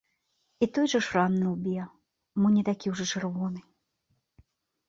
І той жа шрам на лбе, мо не такі ўжо чырвоны.